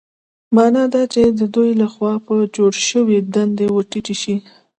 مانا دا چې د دوی له خوا په جوړ شوي ډنډ ورټيټې شي.